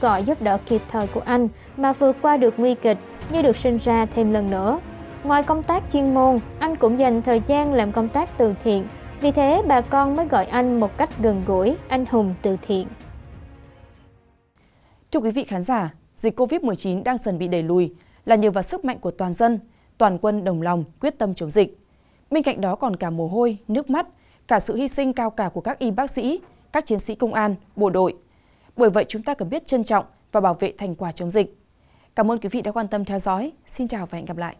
cảm ơn quý vị đã quan tâm theo dõi xin chào và hẹn gặp lại